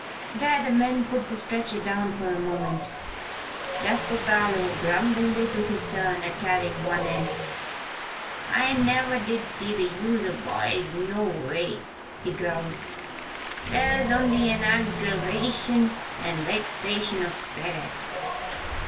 There the men put the stretcher down for a moment. Jasper Parloe grumblingly took his turn at carrying one end. "I never did see the use of boys, noway," he growled. "They's only an aggravation and vexation of speret.